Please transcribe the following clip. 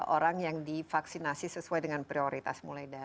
orang yang divaksinasi sesuai dengan prioritas